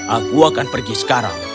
aku akan pergi sekarang